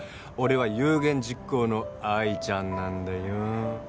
俺は有言実行の藍ちゃんなんだよ